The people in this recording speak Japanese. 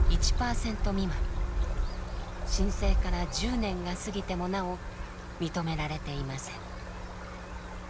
申請から１０年が過ぎてもなお認められていません。